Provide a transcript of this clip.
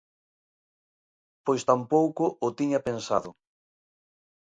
Pois tampouco o tiña pensado.